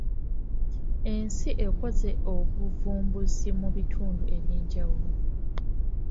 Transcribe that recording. Ensi ekoze obuvumbuzi mu bintu eby’enjawulo.